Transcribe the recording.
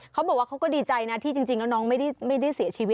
เขาบอกว่าเขาก็ดีใจนะที่จริงแล้วน้องไม่ได้เสียชีวิต